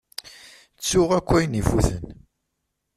Ttuɣ akk ayen ifuten.